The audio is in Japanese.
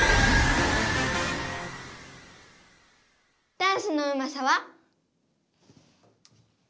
ダンスのうまさは？